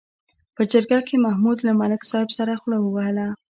په جرګه کې محمود له ملک صاحب سره خوله ووهله.